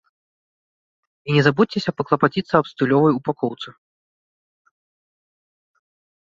І не забудзьцеся паклапаціцца аб стылёвай упакоўцы.